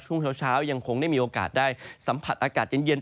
ช่วงเช้ายังคงได้มีโอกาสได้สัมผัสอากาศเย็น